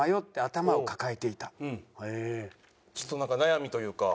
ちょっと悩みというか。